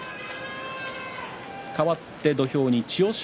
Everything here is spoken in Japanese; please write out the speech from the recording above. かわって土俵に千代翔